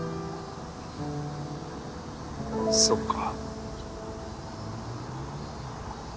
そっか。